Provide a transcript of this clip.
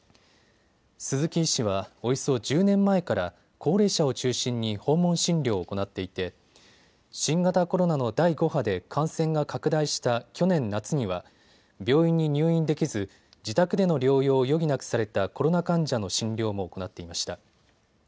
鈴木医師はおよそ１０年前から高齢者を中心に訪問診療を行っていて新型コロナの第５波で感染が拡大した去年夏には病院に入院できず自宅での療養を余儀なくされたコロナ患者の診療も行っていました。